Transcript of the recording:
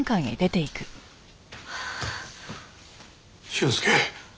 俊介。